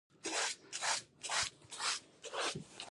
افغانستان تر هغو نه ابادیږي، ترڅو خیرات او زکات په ځای ولګیږي.